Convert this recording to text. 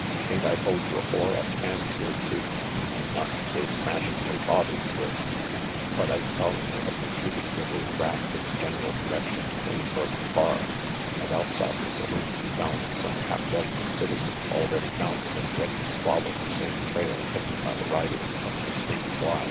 "Ain't I told you afore 'at canned goods is to eat and not to go smashin' no bottles with?" But Ike Collander had retreated with his wrath in the general direction of Tony Burke's bar, and out side the saloon he found some half dozen citizens already mounted and ready to follow the same trail taken by the riders from the Snaky Y.